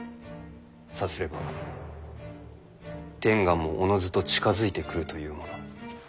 さすれば天下もおのずと近づいてくるというもの。